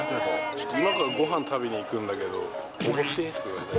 ちょっと今からごはん食べに行くんだけど、おごってって言われたり。